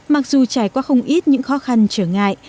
mặc dù trải qua không ít những khó khăn trở ngại